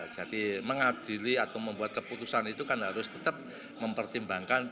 jadi mengadili atau membuat keputusan itu harus tetap mempertimbangkan